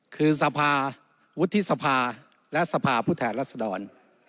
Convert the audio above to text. คือสภาวุฒิสภาและสภาผู้แทนรัศดร